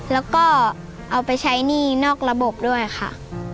แล้วก็เอาไปใช้หนี้นอกระบบด้วยค่ะ